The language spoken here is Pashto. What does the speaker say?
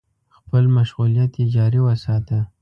خپل مشغولیت يې جاري وساته.